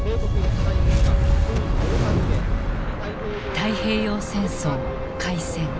太平洋戦争開戦。